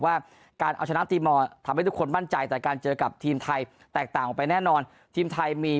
ว่าการเอาชนะตีมอลทำให้ทุกคนมั่นใจแต่การเจอกับทีมไทยแตกต่างออกไปแน่นอนทีมไทยมี